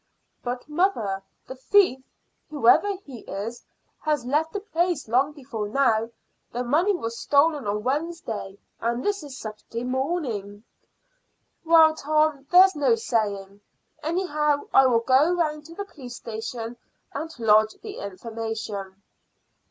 "But, mother, the thief, whoever he is, has left the place long before now. The money was stolen on Wednesday, and this is Saturday morning." "Well, Tom, there's no saying. Anyhow, I will go round to the police station and lodge the information."